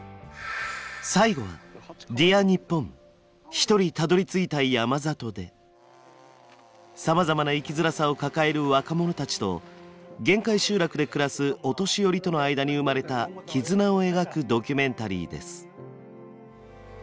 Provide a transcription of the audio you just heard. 最後はさまざまな生きづらさを抱える若者たちと限界集落で暮らすお年寄りとの間に生まれた絆を描くドキュメンタリーです。